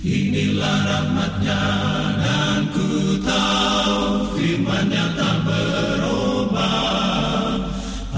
inilah rahmatnya dan ku tahu firman yang tak berubah